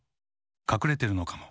かくれてるのかも。